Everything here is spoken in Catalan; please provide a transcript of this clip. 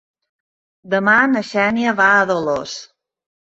Demà na Xènia va a Dolors.